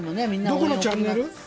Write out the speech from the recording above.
どこのチャンネル？